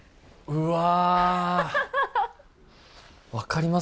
うわ